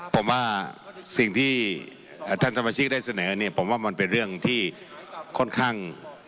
ผมว่าสิ่งที่ท่านสมาชิกได้เสนอเนี่ยผมว่ามันเป็นเรื่องที่ค่อนข้าง